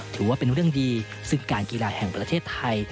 ถือว่าเป็นเรื่องดีซึ่งการกีฬาแห่งประเทศไทย